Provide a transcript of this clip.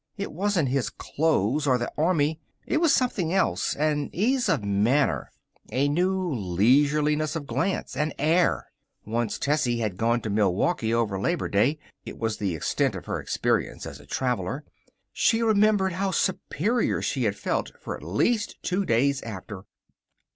It wasn't his clothes or the army. It was something else an ease of manner, a new leisureliness of glance, an air. Once Tessie had gone to Milwaukee over Labor Day. It was the extent of her experience as a traveler. She remembered how superior she had felt for at least two days after.